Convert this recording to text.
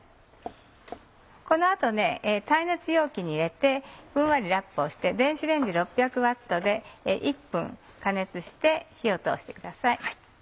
この後耐熱容器に入れてふんわりラップをして電子レンジ６００Ｗで１分加熱して火を通してください。